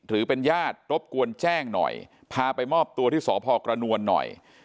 หรือเป็นญาติรบกวนแจ้งหน่อยพาไปมอบตัวที่สพกระนวลหน่อย